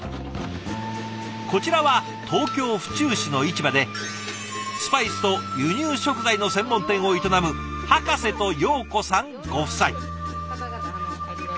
こちらは東京・府中市の市場でスパイスと輸入食材の専門店を営むハカセとヨーコさんご夫妻。